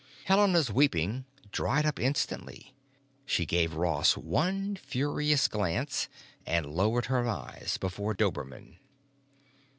Helena's weeping dried up instantly; she gave Ross one furious glance, and lowered her eyes before Dobermann.